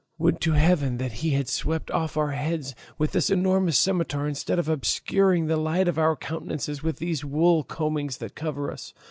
Would to heaven that he had swept off our heads with his enormous scimitar instead of obscuring the light of our countenances with these wool combings that cover us!